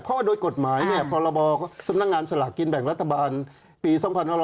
เพราะว่าโดยกฎหมายเนี่ยพอเราบอกสำนักงานสลากกินแบ่งรัฐบาลปี๒๑๑๗